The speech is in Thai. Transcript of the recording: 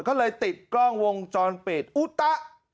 ก็เลยติดกล้องวงจรปิดอุตะ